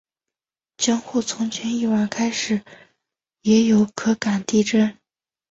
江户从前一晚开始也有可感地震。